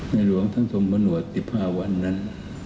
ในหลวงท่านธรรมประหนวด๑๕วันนั้น